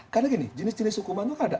karena gini jenis jenis hukuman itu kan ada